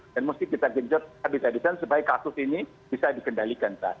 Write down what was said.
dan mesti kita genjot habis habisan supaya kasus ini bisa dikendalikan